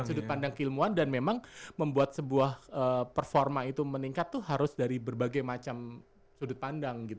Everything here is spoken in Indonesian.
sudut pandang keilmuan dan memang membuat sebuah performa itu meningkat tuh harus dari berbagai macam sudut pandang gitu